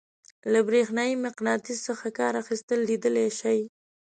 له برېښنايي مقناطیس څخه کار اخیستل لیدلی شئ.